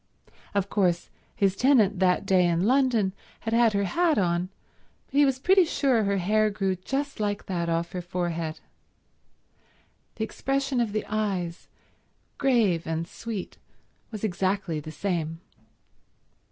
Of course his tenant that day in London had had her hat on, but he was pretty sure her hair grew just like that off her forehead. The expression of the eyes, grave and sweet, was exactly the same.